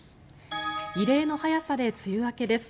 異例の早さで梅雨明けです。